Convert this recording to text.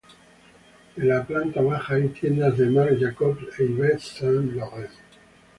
En la planta baja hay tiendas de Marc Jacobs e Yves Saint Laurent.